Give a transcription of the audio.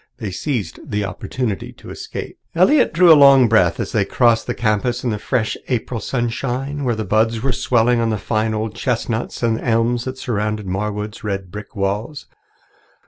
They seized the opportunity to escape. Elliott drew a long breath as they crossed the campus in the fresh April sunshine, where the buds were swelling on the fine old chestnuts and elms that surrounded Marwood's red brick walls.